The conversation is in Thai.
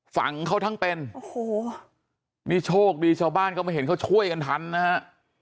ฝังเขาทั้งเป็นโอ้โหนี่โชคดีชาวบ้านเขามาเห็นเขาช่วยกันทันนะฮะ